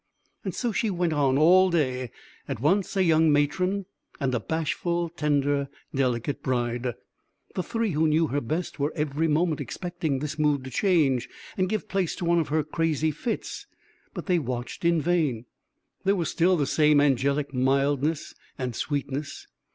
So she went on all day; at once a young matron, and a bashful, tender, delicate bride. The three who knew her best were every moment expecting this mood to change, and give place to one of her crazy fits; but they watched in vain. There was still the same angelic mildness and sweetness.